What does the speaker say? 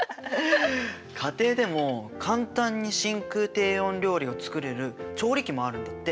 家庭でも簡単に真空低温料理を作れる調理器もあるんだって。